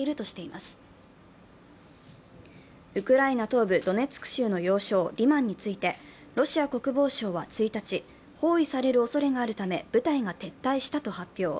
東部ドネツク州の要衝・リマンについて、ロシア国防省は１日、包囲されるおそれがあるため、部隊が撤退したと発表。